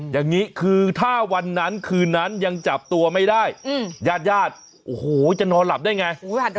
อย่างนี้คือถ้าวันนั้นคืนนั้นยังจับตัวไม่ได้ญาติญาติโอ้โหจะนอนหลับได้ไง